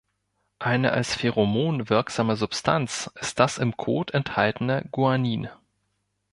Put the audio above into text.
Eine als Pheromon wirksame Substanz ist das im Kot enthaltene Guanin.